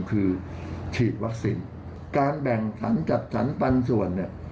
คือฉีดวัคซีนการแบ่งขันจัดสรรปันส่วนเนี่ย